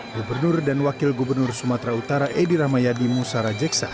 gubernur dan wakil gubernur sumatera utara edy rahmayadi musa rajeksya